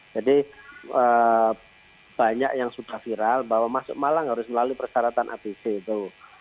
jadi banyak yang suka viral bahwa masuk malang harus melalui persyaratan abc itu